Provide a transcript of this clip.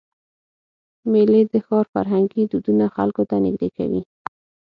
میلې د ښار فرهنګي دودونه خلکو ته نږدې کوي.